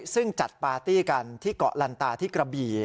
ซึ่งจัดปาร์ตี้กันที่เกาะลันตาที่กระบี่